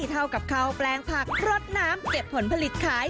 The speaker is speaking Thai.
เท่ากับข้าวแปลงผักรดน้ำเก็บผลผลิตขาย